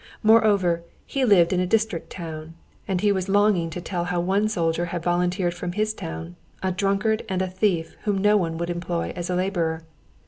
Moreover, he lived in a district town, and he was longing to tell how one soldier had volunteered from his town, a drunkard and a thief whom no one would employ as a laborer.